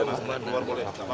jangan keluar boleh